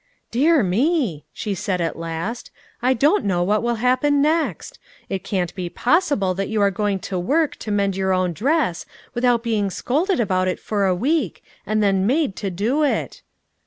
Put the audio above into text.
"Dear me!" she said at last; "I don't know what will happen next. It can't be possible that you are going to work to mend your own dress without being scolded about it for a week, and then made to do it."